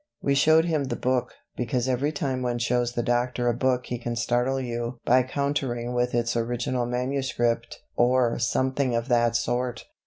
We showed him the book, because every time one shows the doctor a book he can startle you by countering with its original manuscript or something of that sort.